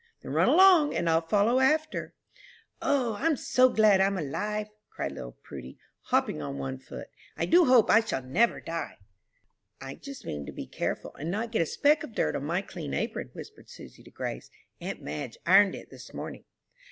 Then run along, and I'll follow after." "O, I'm so glad I'm alive!" cried little Prudy, hoping on one foot; "I do hope I shall never die!" "I just mean to be careful, and not get a speck of dirt on my clean apron," whispered Susy to Grace. "Aunt Madge ironed it this morning."